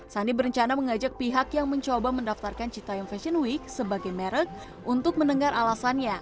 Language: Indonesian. sandi berencana mengajak pihak yang mencoba mendaftarkan citayung fashion week sebagai merek untuk mendengar alasannya